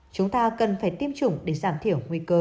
chúng ta cần phải tiêm chủng để giảm thiểu nguy cơ